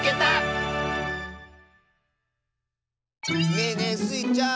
ねえねえスイちゃん